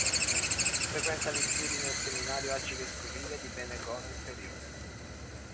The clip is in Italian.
Frequenta gli studi nel seminario arcivescovile di Venegono Inferiore.